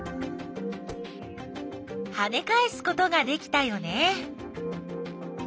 はねかえすことができたよね。